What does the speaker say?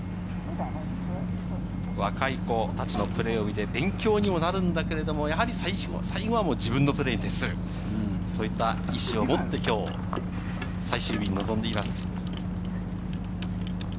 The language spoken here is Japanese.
若い選手たちのプレーを見て勉強になるけれども、最後は自分のプレーに徹する、そういった意思を持って、きょう最終日に臨んでいます。